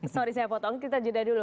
sorry saya potong kita jeda dulu